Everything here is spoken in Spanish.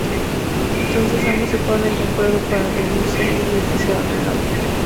Entonces ambos se ponen de acuerdo para reunirse en un edificio abandonado.